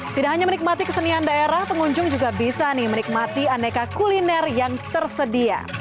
tidak hanya menikmati kesenian daerah pengunjung juga bisa menikmati aneka kuliner yang tersedia